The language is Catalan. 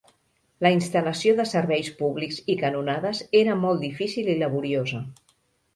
La instal·lació de serveis públics i canonades era molt difícil i laboriosa.